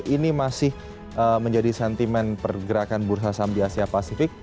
ini masih menjadi sentimen pergerakan bursa saham di asia pasifik